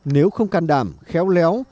nếu không can đảm khéo léo